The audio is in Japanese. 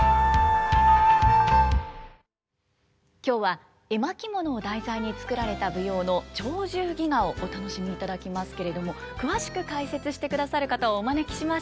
今日は絵巻物を題材に作られた舞踊の「鳥獣戯画」をお楽しみいただきますけれども詳しく解説してくださる方をお招きしました。